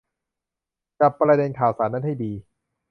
จับประเด็นข่าวสารนั้นให้ดี